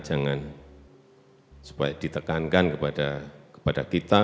jangan supaya ditekankan kepada kita